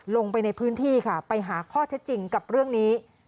ลงไปในพื้นที่ค่ะไปหาข้อเท็จจริงกับเรื่องนี้